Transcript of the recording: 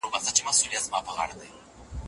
مور د ماشوم د جامو پاکوالی تنظيموي.